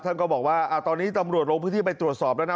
ท่านก็บอกว่าตอนนี้ตำรวจลงพื้นที่ไปตรวจสอบแล้วนะ